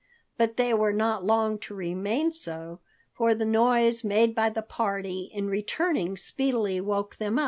But they were not long to remain so, for the noise made by the party in returning speedily woke them.